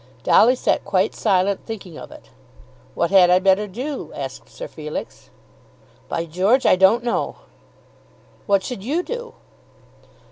Dolly sat quite silent thinking of it. "What had I better do?" asked Sir Felix. "By George; I don't know." "What should you do?"